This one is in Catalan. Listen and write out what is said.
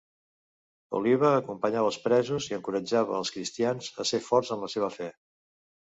Oliva acompanyava als presos i encoratjava als cristians a ser forts en la seva fe.